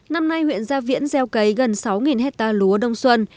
năm nay huyện gia viễn gieo cấy gần sáu hectare lúa đông xuân